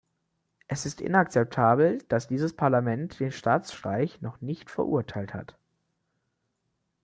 Es ist inakzeptabel, dass dieses Parlament den Staatsstreich noch nicht verurteilt hat.